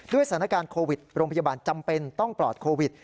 สถานการณ์โควิดโรงพยาบาลจำเป็นต้องปลอดโควิด